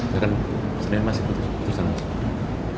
ya kan masih putusan